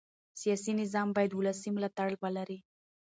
سیاسي نظام باید ولسي ملاتړ ولري